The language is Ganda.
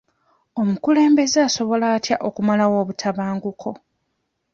Omukulembeze asobola atya okumalawo obutabanguko?